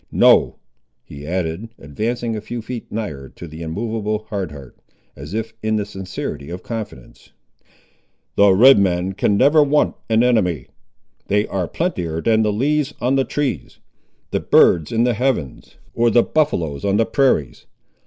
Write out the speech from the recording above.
No," he added, advancing a few feet nigher to the immovable Hard Heart, as if in the sincerity of confidence; "the Red man can never want an enemy: they are plentier than the leaves on the trees, the birds in the heavens, or the buffaloes on the prairies.